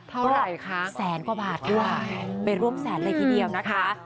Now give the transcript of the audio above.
เท่าไหร่คะแสนกว่าบาทด้วยไปร่วมแสนเลยทีเดียวนะคะ